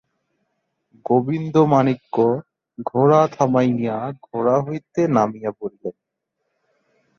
গোবিন্দমাণিক্য ঘোড়া থামাইয়া ঘোড়া হইতে নামিয়া পড়িলেন।